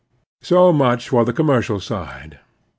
So much for the commercial side.